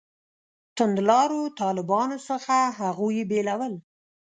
توندلارو طالبانو څخه هغوی بېلول.